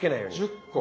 １０個。